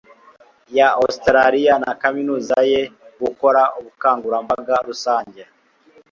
ya Ositarariya na kaminuza ye gukora ubukangurambaga rusange